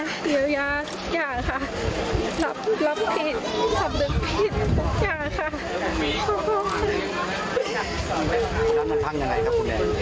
ขอบคุณนะครับ